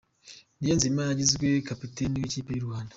Niyonzima yagizwe kapiteni w’ikipe y’u rwanda